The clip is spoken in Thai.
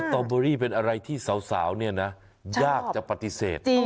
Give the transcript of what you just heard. ตอเบอรี่เป็นอะไรที่สาวเนี่ยนะยากจะปฏิเสธ